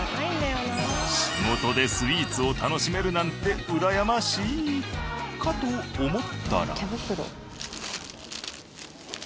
仕事でスイーツを楽しめるなんてうらやましい！かと思ったら。